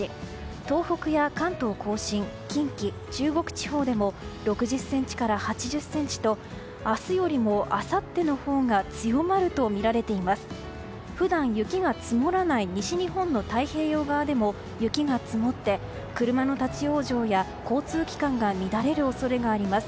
東北や関東・甲信近畿、中国地方でも６０ｃｍから８０ｃｍと明日よりもあさってのほうが強まるとみられています。